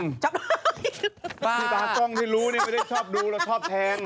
คือตากล้องที่รู้นี่ไม่ได้ชอบดูเราชอบแทง